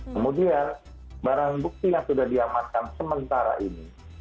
kemudian barang bukti yang sudah diamankan sementara ini